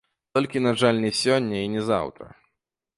Толькі, на жаль, не сёння і не заўтра.